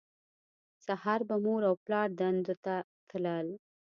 سهار به مور او پلار دندو ته تلل